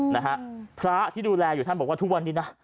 นะฮะพระที่ดูแลอยู่ท่านบอกว่าทุกวันนี้นะ